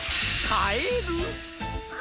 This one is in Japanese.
カエル。